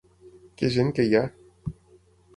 Que gent que hi ha!